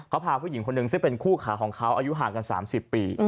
เขาพาผู้หญิงคนหนึ่งซึ่งเป็นคู่ขาของเขาอายุห่างกัน๓๐ปี